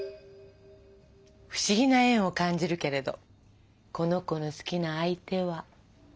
不思議な縁を感じるけれどこの子の好きな相手は。